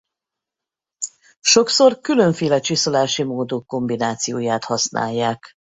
Sokszor különféle csiszolási módok kombinációját használják.